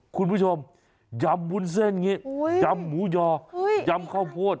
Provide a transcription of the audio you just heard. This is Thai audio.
คุณผู้ชมยำวุ้นเส้นอย่างนี้ยำหมูยอยำข้าวโพด